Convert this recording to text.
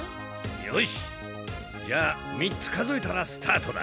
よしじゃあ３つ数えたらスタートだ。